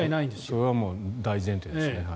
それは大前提ですね。